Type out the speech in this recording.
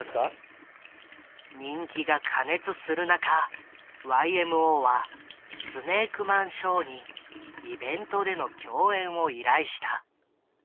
人気が過熱する中ＹＭＯはスネークマンショーにイベントでの共演を依頼した。